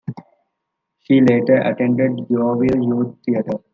She later attended Yeovil Youth Theatre.